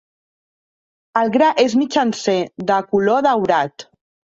El gra és mitjancer, de color daurat.